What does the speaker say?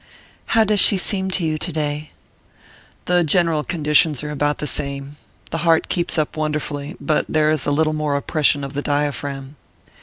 "How does she seem to you today?" "The general conditions are about the same. The heart keeps up wonderfully, but there is a little more oppression of the diaphragm."